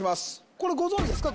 これご存じですか？